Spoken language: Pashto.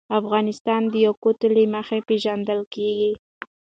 افغانستان د یاقوت له مخې پېژندل کېږي.